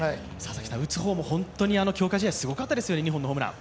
打つ方も本当に強化試合、すごかったですよね、２本のホームラン。